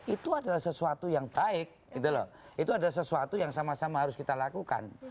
itu adalah sesuatu yang baik itu adalah sesuatu yang sama sama harus kita lakukan